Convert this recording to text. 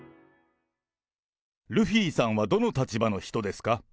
ルフィさんはどの立場の人ですか？